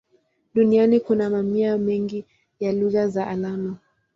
Duniani kuna mamia mengi ya lugha za alama.